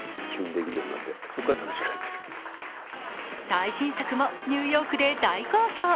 最新作もニューヨークで大好評。